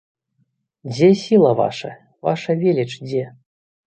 Дзе сіла ваша, ваша веліч дзе?